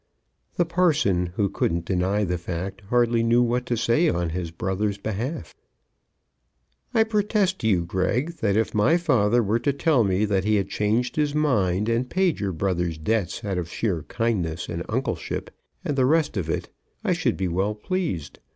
The parson, who couldn't deny the fact, hardly knew what to say on his brother's behalf. "I protest to you, Greg, that if my father were to tell me that he had changed his mind, and paid your brother's debts out of sheer kindness and uncleship, and the rest of it, I should be well pleased.